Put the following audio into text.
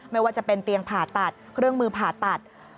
ไม่ว่าจะเป็นเตียงผ่าตัดเครื่องมือผ่าตัด